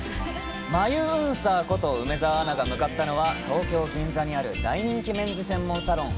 眉ウンサーこと梅澤アナが向かったのは、東京・銀座にある大人気メンズ専門サロン。